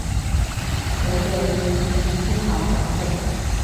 佢哋會轉思考模式